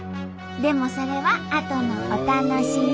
でもそれはあとのお楽しみ！